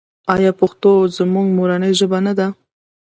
آیا پښتو زموږ مورنۍ ژبه نه ده؟